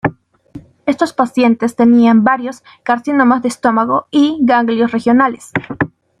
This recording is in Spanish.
Estos pacientes tenían varios carcinomas de estómago y ganglios regionales.